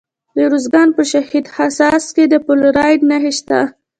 د ارزګان په شهید حساس کې د فلورایټ نښې شته.